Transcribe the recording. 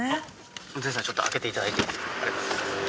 運転手さんちょっと開けて頂いていいですか？